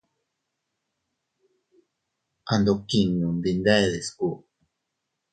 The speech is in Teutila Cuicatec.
Andokinnun dindede sku.